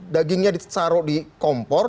dagingnya ditaruh di kompor